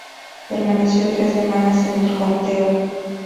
Permaneció tres semanas en el conteo.